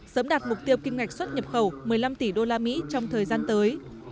sớm đạt mục tiêu kim ngạch xuất nhập khẩu một mươi năm tỷ usd trong thời gian tới